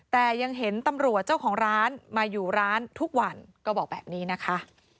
แต่ยังเห็นตำรวจเจ้าของร้านมาอยู่ร้านทุกวันก็บอกแบบนี้นะคะ